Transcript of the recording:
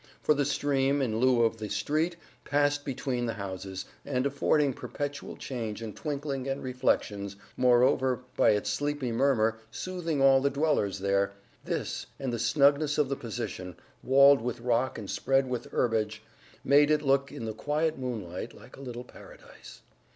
For the stream, in lieu of the street, passing between the houses, and affording perpetual change and twinkling and reflections moreover, by its sleepy murmur, soothing all the dwellers there this, and the snugness of the position, walled with rock and spread with herbage, made it look in the quiet moonlight like a little paradise.